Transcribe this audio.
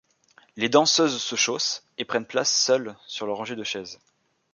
Les danseuses se chaussent, et prennent place seules sur leur rangée de chaises.